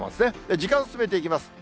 時間進めていきます。